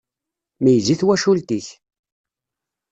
Meyyez i twacult-ik!